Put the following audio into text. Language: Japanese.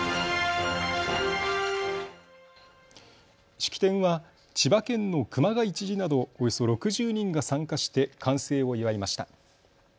式典は千葉県の熊谷知事などおよそ６０人が参加して完成を祝いました。